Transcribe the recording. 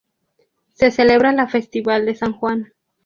Se celebra la festividad de San Juan.